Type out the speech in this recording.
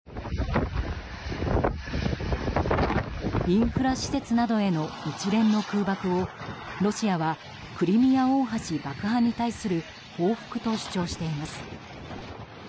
インフラ施設などへの一連の空爆をロシアはクリミア大橋爆破に対する報復と主張しています。